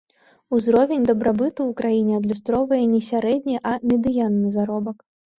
Узровень дабрабыту ў краіне адлюстроўвае не сярэдні, а медыянны заробак.